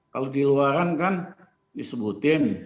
kalau di luaran kan disebutin